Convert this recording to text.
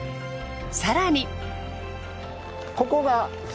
更に。